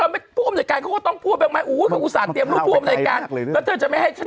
มีอีกเค้าจะเชิญ